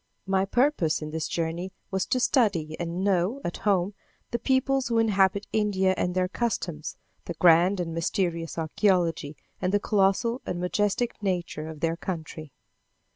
My purpose in this journey was to study and know, at home, the peoples who inhabit India and their customs, the grand and mysterious archæology, and the colossal and majestic nature of their country.